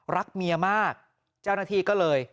รักเมียมากเจ้าหน้าที่ก็เลย